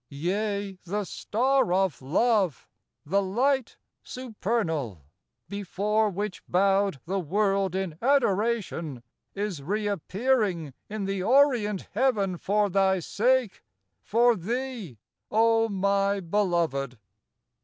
Yea, the Star of Love, the Light supernal, Before which bowed the world in adoration. Is re appearing in the Orient heaven For thy sake, for thee, O my Beloved.